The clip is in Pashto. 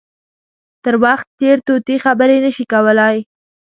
تر وخت تېر طوطي خبرې نه شي کولای.